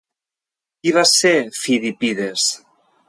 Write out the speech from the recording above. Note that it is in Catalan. Qui va ser Fidipides?